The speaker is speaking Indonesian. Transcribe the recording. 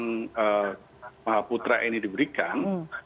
bintang mahaputra ini diberikan